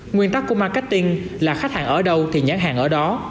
nguyên tắc của marketing là khách hàng ở đâu thì nhãn hàng ở đó